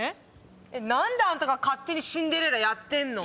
何であんたが勝手にシンデレラやってんの？